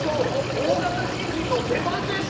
大型新人の出番です！